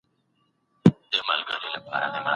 چېري د پیژندلو قانوني معیارونه ټاکل سوي؟